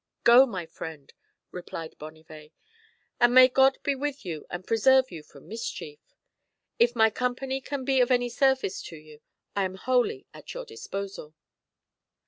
" Go, my friend," replied Bonnivet, " and may God be with you and preserve you from mischief. If my company can be of any service to you, I am wholly at your disposal."